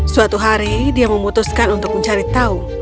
suatu hari dia memutuskan untuk mencari tahu